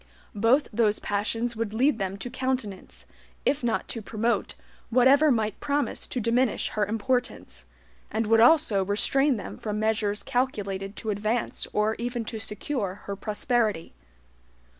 Both those passions would lead them to countenance, if not to promote, whatever might promise to diminish her importance; and would also restrain them from measures calculated to advance or even to secure her prosperity.